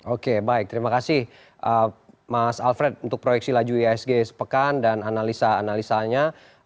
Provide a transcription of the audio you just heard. oke baik terima kasih mas alfred untuk proyeksi laju iisg sepekan dan analisa analisanya